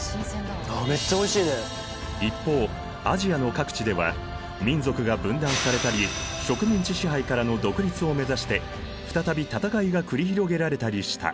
一方アジアの各地では民族が分断されたり植民地支配からの独立を目指して再び戦いが繰り広げられたりした。